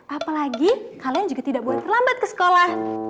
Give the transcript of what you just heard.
apalagi kalian juga tidak boleh terlambat ke sekolah